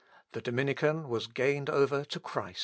The Dominican was gained over to Christ.